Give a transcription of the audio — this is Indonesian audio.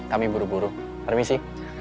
kami buru buru permisi